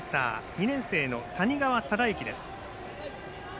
２年生の谷川忠幸です。